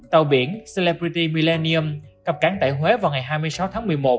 tàu biển celebrity millennium cập cán tại huế vào ngày hai mươi sáu tháng một mươi một